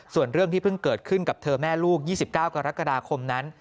ส่วนเรื่องที่เพิ่งเกิดขึ้นกับเธอแม่ลูก๒๙กรกฎาคมนั้น